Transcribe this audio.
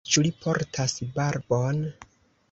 Ĉu li portas barbon?